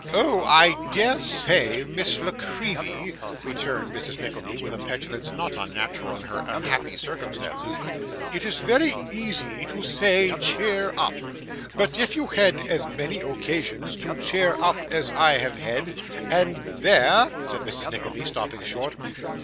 'Oh I dare say, Miss La Creevy,' returned Mrs. Nickleby, with a petulance not unnatural in her unhappy circumstances, 'it's very easy to say cheer up, but if you had as many occasions to cheer up as I have had and there,' said Mrs. Nickleby, stopping short.